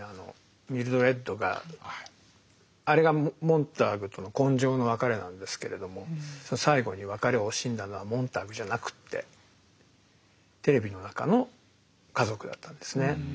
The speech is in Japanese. ミルドレッドがあれがモンターグとの今生の別れなんですけれども最後に別れを惜しんだのはモンターグじゃなくってテレビの中の「家族」だったんですね。